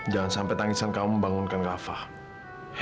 jangan sampai tangisan kamu membangunkan kak fah